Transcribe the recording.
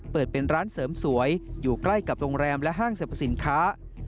เปิดเป็นร้านเสริมสวยอยู่ใกล้กับโรงแรมและห้างสรรพสินค้า